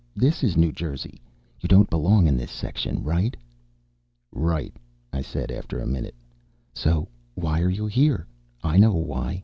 This is New Jersey. You don't belong in this section, right?" "Right," I said after a minute. "So why are you here? I know why.